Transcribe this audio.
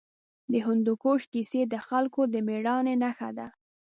د هندوکش کیسې د خلکو د مېړانې نښه ده.